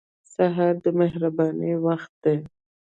سهار د مهربانۍ وخت دی.